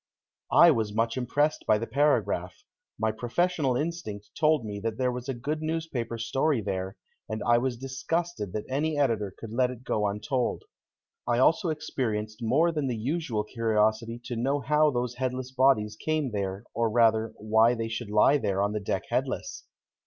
I was much impressed by the paragraph. My professional instinct told me that there was a good newspaper story there, and I was disgusted that any editor could let it go untold. I also experienced more than usual curiosity to know how those headless bodies came there, or rather, why they should lie there on the deck headless.